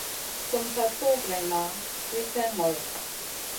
Sum sa tun greyna wi slèh ŋolo.